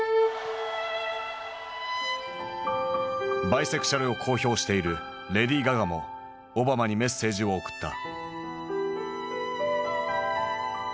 バイセクシャルを公表しているレディー・ガガもオバマにメッセージを送った。